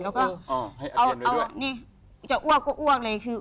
แล้วก็เอานี่จะอ้วกก็อ้วกเลยคือ